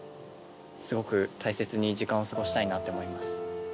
すごく大切に時間を過ごしたいなって思います。